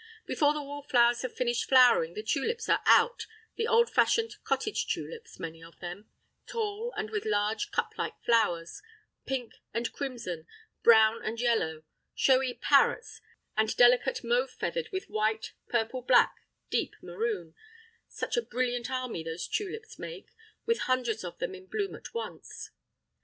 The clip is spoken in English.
Before the wallflowers have finished flowering the tulips are out, the old fashioned "cottage tulips," many of them, tall and with large cup like flowers—pink and crimson, brown and yellow, showy "parrots," and delicate mauve feathered with white, purple black, deep maroon; such a brilliant army those tulips make, with hundreds of them in bloom at once.